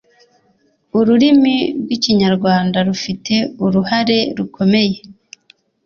Ururimi rw'Ikinyarwanda rufite uruhare rukomeye